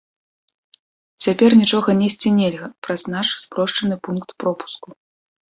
Цяпер нічога несці нельга праз наш спрошчаны пункт пропуску.